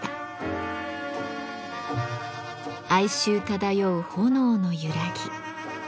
哀愁漂う炎の揺らぎ。